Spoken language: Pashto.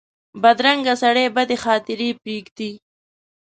بدرنګه سړي بدې خاطرې پرېږدي